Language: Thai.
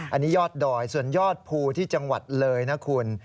อันนี้ยอดดอยส่วนยอดภูที่จังหวัดเลยนะคุณ